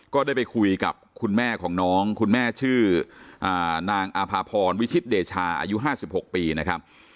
ก็ได้ไปคุยกับคุณแม่ของน้องคุณแม่ชื่อนางอาภาพรวิชิตเดชาอายุ๕๖ปีนะครับ